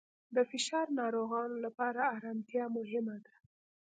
د فشار ناروغانو لپاره آرامتیا مهمه ده.